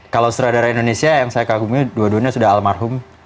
kalau setelah darah indonesia yang saya kagumnya dua duanya sudah almarhum